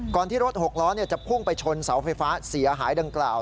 ที่รถหกล้อจะพุ่งไปชนเสาไฟฟ้าเสียหายดังกล่าว